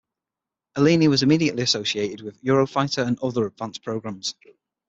Alenia was immediately associated with Eurofighter and other advanced programs.